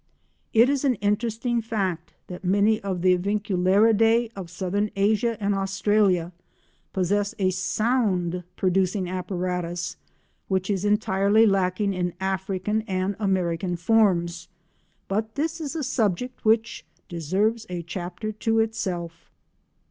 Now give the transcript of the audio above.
It is an interesting fact that many of the Aviculariidae of Southern Asia and Australia possess a sound producing apparatus which is entirely lacking in African and American forms, but this is a subject which deserves a chapter to itself.